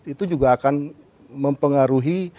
itu juga akan mempengaruhi